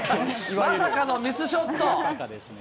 まさかのミスショット。